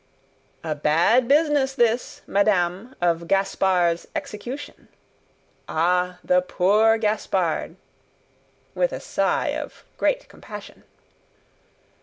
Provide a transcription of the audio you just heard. "A bad business this, madame, of Gaspard's execution. Ah! the poor Gaspard!" With a sigh of great compassion.